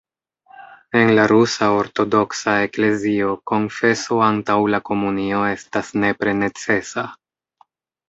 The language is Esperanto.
En la Rusa Ortodoksa Eklezio konfeso antaŭ la komunio estas nepre necesa.